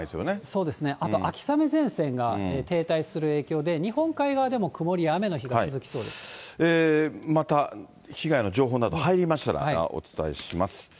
そうですね、あと秋雨前線が停滞する影響で、日本海側でも曇また被害の情報など入りましたら、お伝えします。